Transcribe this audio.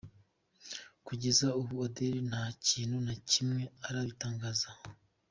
Kugeza ubu, Adele ntakintu na kimwe arabitangazaho.